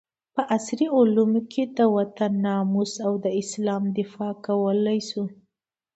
په عصري علومو د وطن ناموس او د اسلام دفاع کولي شو